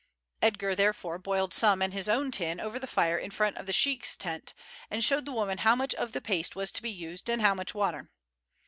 Edgar therefore boiled some in his own tin over the fire in front of the sheik's tent, and showed the woman how much of the paste was to be used and how much water.